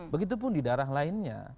begitu pun di daerah lainnya